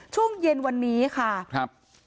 ช่วงเย็นวันนี้ค่ะ